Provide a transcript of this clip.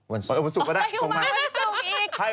วันสุกก็ได้